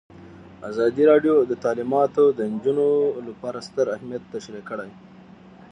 ازادي راډیو د تعلیمات د نجونو لپاره ستر اهميت تشریح کړی.